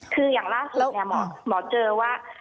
คืออย่างล่าสุดเนี่ยหมอเจอว่า